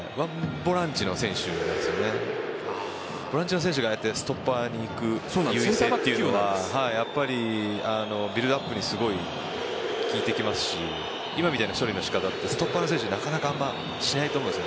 ボランチの選手がストッパーに行く優位性というのはビルドアップにすごい効いてきますし今みたいな処理の姿はストッパーの選手はなかなかしないと思うんです。